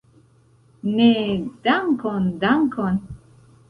Ne, dankon, dankon.